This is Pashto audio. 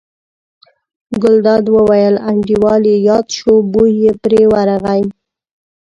ګلداد وویل: انډیوال یې یاد شو، بوی یې پرې ورغی.